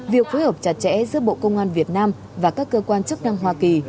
việc phối hợp chặt chẽ giữa bộ công an việt nam và các cơ quan chức năng hoa kỳ